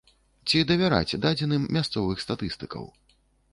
Ці давяраць дадзеным мясцовых статыстыкаў?